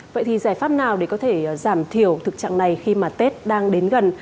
vậy thì giải pháp nào để có thể giảm thiểu thực trạng này khi mà tết đang đến gần